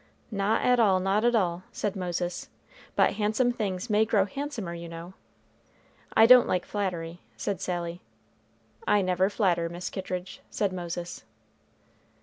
"Not at all not at all," said Moses; "but handsome things may grow handsomer, you know." "I don't like flattery," said Sally. "I never flatter, Miss Kittridge," said Moses.